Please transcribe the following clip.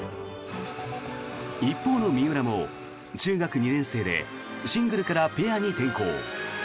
一方の三浦も中学２年生でシングルからぺアに転向。